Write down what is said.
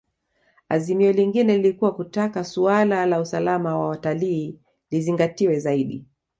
Azimio lingine lilikuwa kutaka suala la usalama wa watalii lizingatiwe zaidi